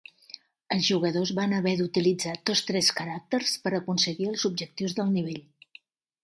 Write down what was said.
Els jugadors van haver d'utilitzar tots tres caràcters per aconseguir els objectius del nivell.